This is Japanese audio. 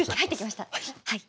はい。